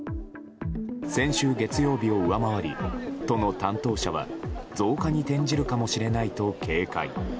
先週月曜日を上回り都の担当者は増加に転じるかもしれないと警戒。